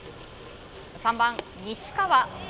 ３番、西川。